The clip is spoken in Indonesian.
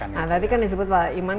untuk membuat atbm yang lebih baik